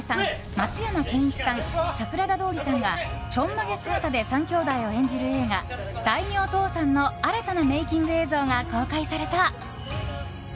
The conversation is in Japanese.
松山ケンイチさん、桜田通さんがちょんまげ姿で３兄弟を演じる映画「大名倒産」の新たなメイキング映像が公開された。